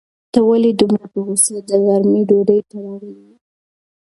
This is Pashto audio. ته ولې دومره په غوسه د غرمې ډوډۍ ته راغلی وې؟